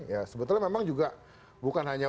ya sebetulnya memang juga bukan hanya